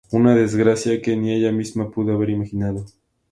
Una desgracia que ni ella misma pudo haber imaginado.